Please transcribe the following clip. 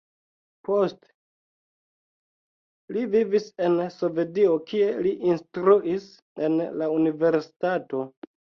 Poste li vivis en Svedio, kie li instruis en la universitato.